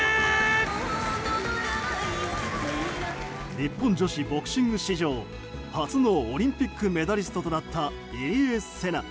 日本女子ボクシング史上初のオリンピックメダリストとなった入江聖奈。